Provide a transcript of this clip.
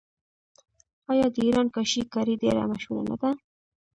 آیا د ایران کاشي کاري ډیره مشهوره نه ده؟